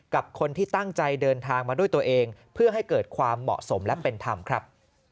กับคนที่ตั้งใจเดินทางมาด้วยตัวเองเพื่อให้เกิดความเหมาะสมและเป็นธรรมครับ